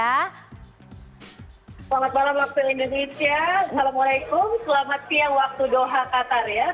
selamat malam waktu indonesia assalamualaikum selamat siang waktu doha qatar ya